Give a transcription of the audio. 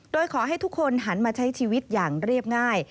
โดยขอให้ทุกคนหันมาใช้ชีวิตอย่างเรียบง่าย